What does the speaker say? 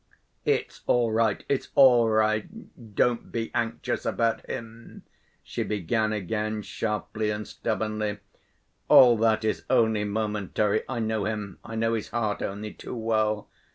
"It's all right, it's all right, don't be anxious about him!" she began again, sharply and stubbornly. "All that is only momentary, I know him, I know his heart only too well.